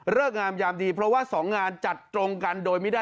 งามยามดีเพราะว่าสองงานจัดตรงกันโดยไม่ได้